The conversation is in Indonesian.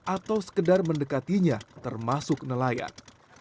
atau sekedar mendekatinya termasuk nelayan